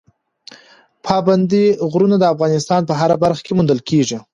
پابندی غرونه د افغانستان په هره برخه کې موندل کېږي.